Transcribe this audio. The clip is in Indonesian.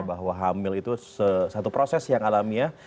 bahwa hamil itu satu proses yang alamiah